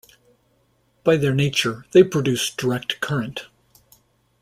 By their nature, they produce direct current.